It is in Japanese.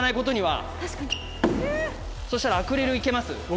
そしたらアクリルいけます？